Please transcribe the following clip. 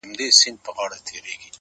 • چي د صبر شراب وڅيښې ويده سه؛